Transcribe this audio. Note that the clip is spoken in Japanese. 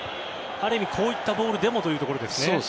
ある意味、こういったボールでもというところですね。